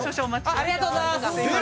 ありがとうございます。